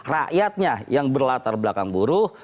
rakyatnya yang berlatar belakang buruh